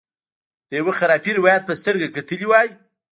د یوه خرافي روایت په سترګه کتلي وای.